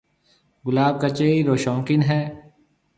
گلاب ڪچيرِي رو شوقين ھيََََ